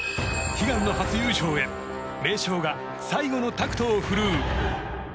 悲願の初優勝へ名将が最後のタクトを振るう。